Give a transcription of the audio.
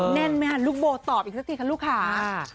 แน่นมั้ยครับลูกโบตอบอีกสักทีลูกขา